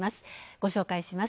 ご紹介します。